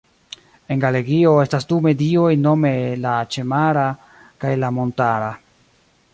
En Galegio estas du medioj nome la ĉemara kaj la montara.